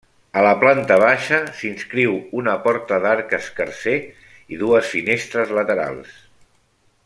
A la planta baixa s'inscriu una porta d'arc escarser i dues finestres laterals.